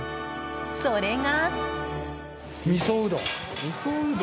それが。